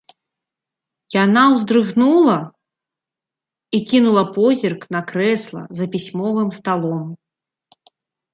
Яна ўздрыгнула і кінула позірк на крэсла за пісьмовым сталом.